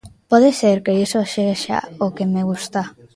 Pode ser que iso sexa o que me gusta.